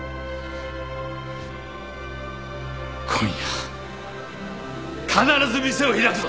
今夜必ず店を開くぞ！